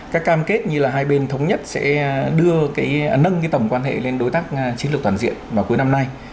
các cam kết như là hai bên thống nhất sẽ đưa nâng cái tầm quan hệ lên đối tác chiến lược toàn diện vào cuối năm nay